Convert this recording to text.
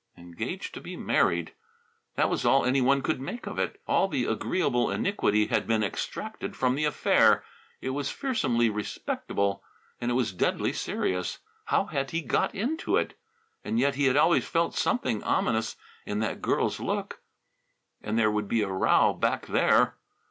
Engaged to be married! That was all any one could make of it. All the agreeable iniquity had been extracted from the affair. It was fearsomely respectable. And it was deadly serious. How had he got into it? And yet he had always felt something ominous in that girl's look. And there would be a row "back there."